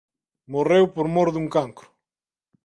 Morreu por mor dun cancro.